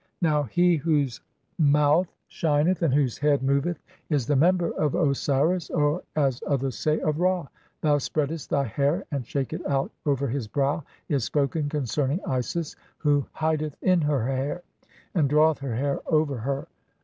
Now he whose mouth shineth and whose head moveth is the member of Osiris, or (as others say) (144) of Ra. "Thou spreadest thy hair and I shake it out over his brow" is spoken concerning Isis, who hideth in her hair (145) and draweth her hair over her.